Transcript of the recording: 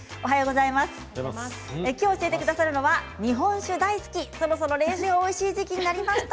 今日、教えてくださるのは日本酒大好きそろそろ冷酒がおいしい季節になりました。